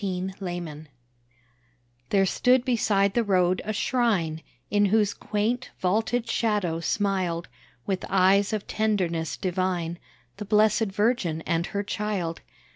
THE PRAYER There stood beside the road a shrine, In whose quaint, vaulted shadow smiled With eyes of tenderness divine, The Blessed Virgin and Her Child.